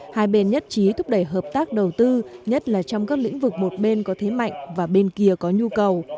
hai bên nhất trí thúc đẩy hợp tác đầu tư nhất là trong các lĩnh vực một bên có thế mạnh và bên kia có nhu cầu